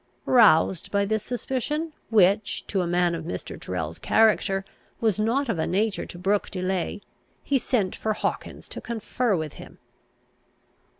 Roused by this suspicion, which, to a man of Mr. Tyrrel's character, was not of a nature to brook delay, he sent for Hawkins to confer with him.